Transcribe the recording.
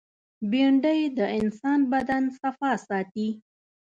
بېنډۍ د انسان د بدن صفا ساتي